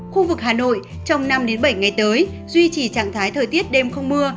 khu vực hà nội trong năm bảy ngày tới duy trì trạng thái thời tiết đêm không mưa